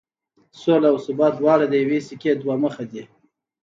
سوله او ثبات دواړه د یوې سکې دوه مخ دي.